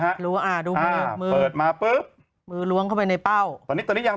โหยวายโหยวายโหยวายโหยวายโหยวายโหยวายโหยวายโหยวายโหยวาย